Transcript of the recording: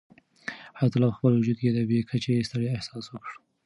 حیات الله په خپل وجود کې د بې کچې ستړیا احساس وکړ.